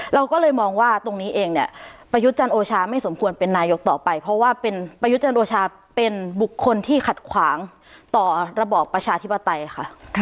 เราก็เลยมองว่าตรงนี้เองเนี่ยประยุทธ์จันทร์โอชาไม่สมควรเป็นนายกต่อไปเพราะว่าเป็นประยุทธ์จันทร์โอชาเป็นบุคคลที่ขัดขวางต่อระบอบประชาธิปไตยค่ะ